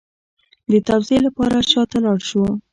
د توضیح لپاره شا ته لاړ شو